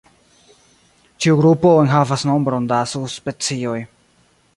Ĉiu grupo enhavas nombron da subspecioj.